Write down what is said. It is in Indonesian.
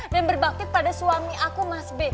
dan berbakti pada suami aku mas b